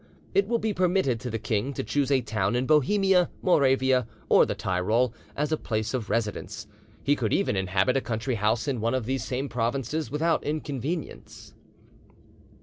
It will be permitted to the king to choose a town in Bohemia, Moravia, or the Tyrol, as a place of residence. He could even inhabit a country house in one of these same provinces without inconvenience.